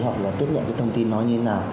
hoặc là tiếp nhận thông tin nói như thế nào